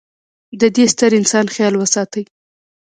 د د ې ستر انسان خیال وساتي.